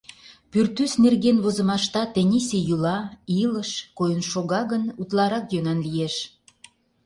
Пӱртӱс нерген возымаштат тенийысе йӱла, илыш койын шога гын, утларак йӧнан лиеш.